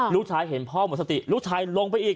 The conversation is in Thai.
ลูกชายเห็นเลยลูกชายแล้วลงไปอีก